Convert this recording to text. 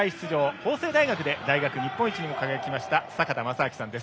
法政大学で大学日本一にも輝いた坂田正彰さんです。